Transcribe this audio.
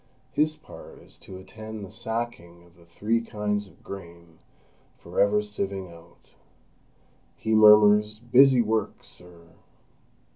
His part is to attend the sacking of the three kinds of grain for ever sieving out. He murmurs: "Busy work, sir!"